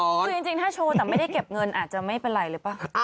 คือจริงถ้าโชว์แต่ไม่ได้เก็บเงินอาจจะไม่เป็นไรหรือเปล่า